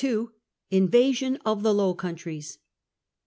Invasion of the Low Countries.